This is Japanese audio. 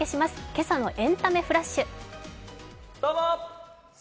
今朝のエンタメフラッシュ。